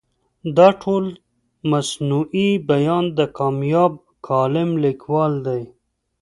دا ټول موضوعي بیان د کامیاب کالم لیکوال دی.